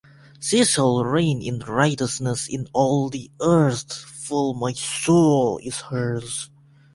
She shall reign in righteousness in all the earth, for my soul is hers.